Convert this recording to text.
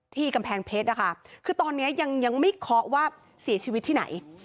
กำแพงเพชรนะคะคือตอนนี้ยังยังไม่เคาะว่าเสียชีวิตที่ไหน